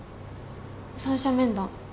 三者面談。